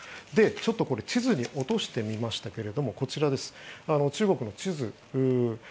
ちょっとこれ地図に落としてみましたけれどもこちら、中国の地図。